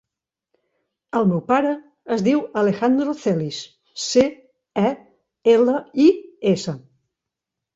El meu pare es diu Alejandro Celis: ce, e, ela, i, essa.